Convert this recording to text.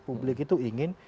publik itu ingin